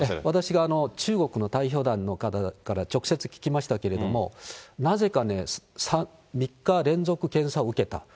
私が中国の代表団の方から直接聞きましたけれども、なぜかね、３日連続検査を受けた。